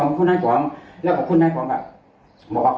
เอาเมื่อกี้มัน๗๗แสนแล้วก็ไปมุมส่วนเยอะต้องผ่อนหันเนี่ย